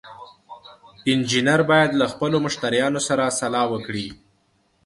انجینر باید له خپلو مشتریانو سره سلا وکړي.